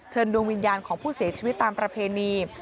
ดวงวิญญาณของผู้เสียชีวิตตามประเพณี